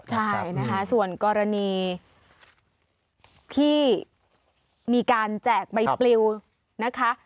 ใช่นะคะส่วนกรณีที่มีการแจกใบปลิวนะคะ